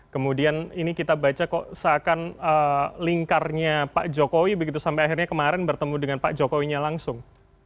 kemudian ini kita baca kok seakan lingkarnya pak jokowi begitu sampai akhirnya kemarin bertemu dengan pak jokowinya langsung